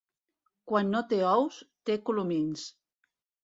Quan no té ous, té colomins.